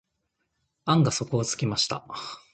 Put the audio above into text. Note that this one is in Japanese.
案が底をつきました。